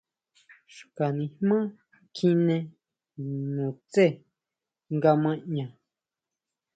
Xka nijmá kjine nutsé nga ma ʼña.